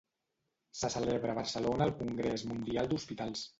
Se celebra a Barcelona el Congrés Mundial d'Hospitals.